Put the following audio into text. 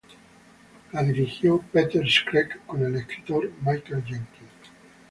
Fue dirigida por Peter Schreck y con el escritor Michael Jenkins.